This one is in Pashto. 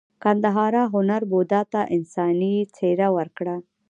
ګندهارا هنر بودا ته انساني څیره ورکړه